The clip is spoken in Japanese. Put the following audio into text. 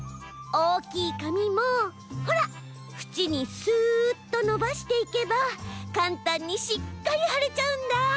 おおきいかみもほらふちにスッとのばしていけばかんたんにしっかりはれちゃうんだ。